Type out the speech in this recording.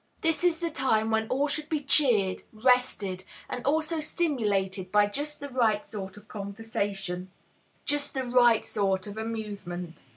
This is the time when all should be cheered, rested, and also stimulated by just the right sort of conversation, just the right sort of amusement.